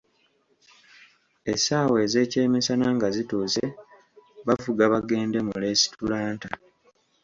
Essaawa ez'ekyemisana nga zituuse bavuga bagende mu lesitulanta.